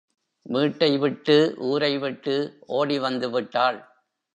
வீட்டை விட்டு, ஊரை விட்டு ஓடி வந்து விட்டாள்.